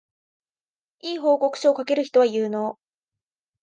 良い報告書を書ける人は有能